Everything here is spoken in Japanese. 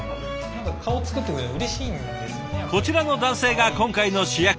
こちらの男性が今回の主役。